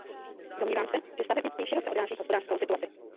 Domnívám se, že stavebnictví široce odráží hospodářskou situaci.